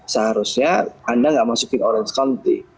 seharusnya anda nggak masukin orange county